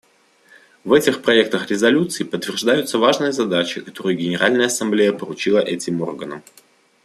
В этих проектах резолюций подтверждаются важные задачи, которые Генеральная Ассамблея поручила этим органам.